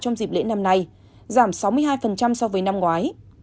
trong dịp lễ năm nay giảm sáu mươi hai so với năm ngoái